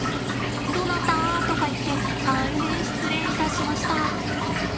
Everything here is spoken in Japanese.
「どなた？」とか言って大変失礼いたしました。